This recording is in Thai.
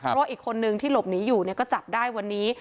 เพราะว่าอีกคนนึงที่หลบหนีอยู่ก็จับได้วันนี้